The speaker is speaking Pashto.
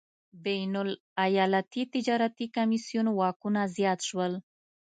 بین الایالتي تجارتي کمېسیون واکونه زیات شول.